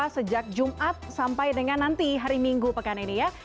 sejak jumat sampai dengan nanti hari minggu pekan ini ya